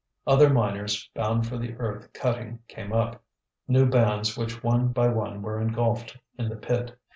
Other miners bound for the earth cutting came up, new bands which one by one were engulfed in the pit.